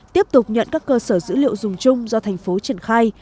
tiếp tục nhận các cơ sở dữ liệu dùng chung do thành phố triển khai